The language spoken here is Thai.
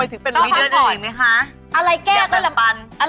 อืมมีเดือนอื่นไหมคะเปราะบ้างปัน